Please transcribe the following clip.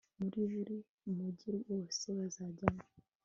muri buri mugi wose bazajyamo